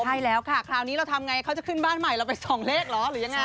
ใช่แล้วค่ะคราวนี้เราทำไงเขาจะขึ้นบ้านใหม่เราไปส่องเลขเหรอหรือยังไง